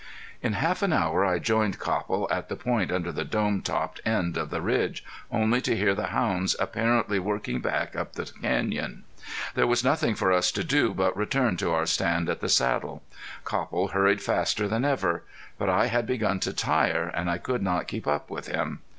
In half an hour I joined Copple at the point under the dome topped end of the ridge, only to hear the hounds apparently working back up the canyon. There was nothing for us to do but return to our stand at the saddle. Copple hurried faster than ever. But I had begun to tire and I could not keep up with him.